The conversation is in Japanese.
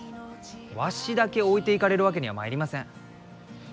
わしだけ置いていかれるわけにはまいりません。